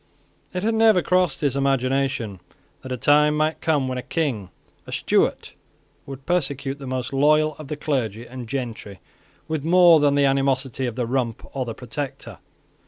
It had never crossed his imagination that a time might come when a King, a Stuart, would persecute the most loyal of the clergy and gentry with more than the animosity of the Rump or the Protector.